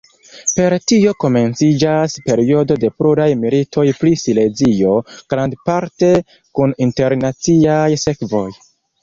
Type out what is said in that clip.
Per tio komenciĝas periodo de pluraj militoj pri Silezio, grandparte kun internaciaj sekvoj.